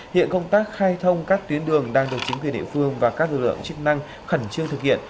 hiện công tác khai thông các tuyến đường đang được chính quyền địa phương và các lực lượng chức năng khẩn trương thực hiện